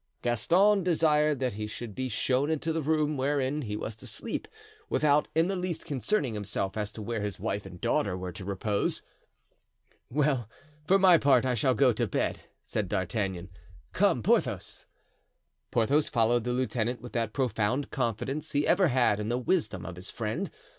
Gaston desired that he should be shown into the room wherein he was to sleep, without in the least concerning himself as to where his wife and daughter were to repose. "Well, for my part, I shall go to bed," said D'Artagnan; "come, Porthos." Porthos followed the lieutenant with that profound confidence he ever had in the wisdom of his friend.